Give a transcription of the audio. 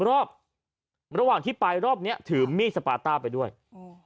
รอบระหว่างที่ไปรอบเนี้ยถือมีดสปาต้าไปด้วยอืม